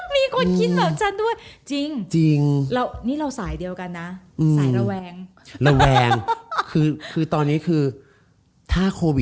มีคนคิดแบบฉันด้วย